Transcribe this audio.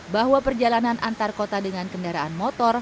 bahwa perjalanan antar kota dengan kendaraan motor